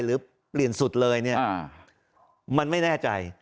หรือเปลี่ยนสุดเลยเนี่ยมันไม่แน่ใจ